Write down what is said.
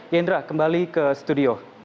yendra kembali ke studio